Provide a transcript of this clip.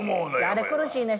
あれ苦しいねん。